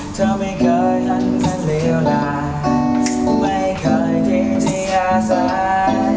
เธอไม่เคยทันทันเรียวนาไม่เคยที่ที่อาศัย